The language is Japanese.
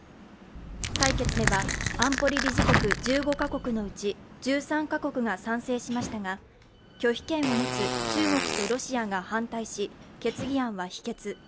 採決では安保理理事国１５カ国のうち１３か国が賛成しましたが拒否権を持つ中国とロシアが反対し、決議案は否決。